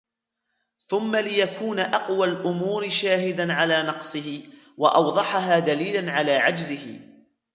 ثُمَّ لِيَكُونَ أَقْوَى الْأُمُورِ شَاهِدًا عَلَى نَقْصِهِ ، وَأَوْضَحَهَا دَلِيلًا عَلَى عَجْزِهِ